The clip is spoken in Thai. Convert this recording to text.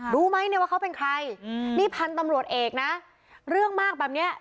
รู้ไหมเนี่ยว่าเขาเป็นใครนี่พันธุ์ตำรวจเอกนะเรื่องมากแบบเนี้ย